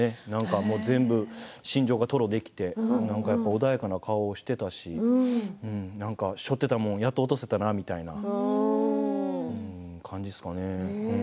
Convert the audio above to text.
もう全部、心情を吐露できて穏やかな顔をしていたししょっていたものをやっと落とせたしみたいな感じですかね。